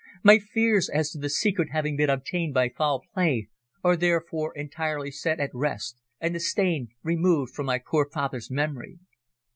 My fears as to the secret having been obtained by foul play are therefore entirely set at rest; and the stain removed from my poor father's memory."